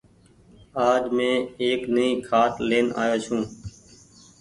آج مين ايڪ نئي کآٽ لين آئو ڇون۔